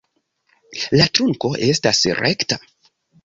La trunko estas rekta.